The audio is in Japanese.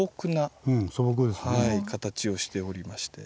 はい形をしておりまして。